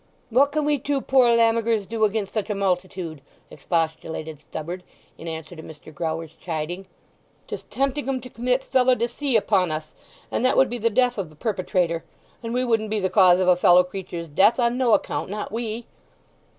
"What can we two poor lammigers do against such a multitude!" expostulated Stubberd, in answer to Mr. Grower's chiding. "'Tis tempting 'em to commit felo de se upon us, and that would be the death of the perpetrator; and we wouldn't be the cause of a fellow creature's death on no account, not we!"